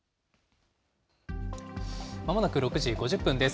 まもなく６時５０分です。